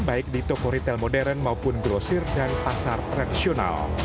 baik di toko retail modern maupun grosir dan pasar tradisional